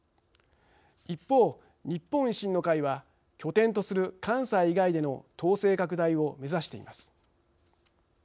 一方、日本維新の会は拠点とする関西以外での党勢拡大を目指しています。